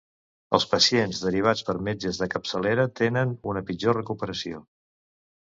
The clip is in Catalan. Els pacients derivats per metges de capçalera tenen una pitjor recuperació.